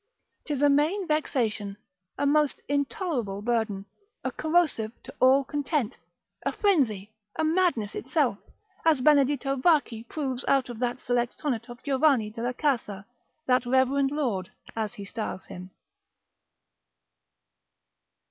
'Tis a main vexation, a most intolerable burden, a corrosive to all content, a frenzy, a madness itself; as Beneditto Varchi proves out of that select sonnet of Giovanni de la Casa, that reverend lord, as he styles him.